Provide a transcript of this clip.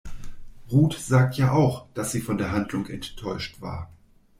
Ruth sagte ja auch, dass sie von der Handlung enttäuscht war.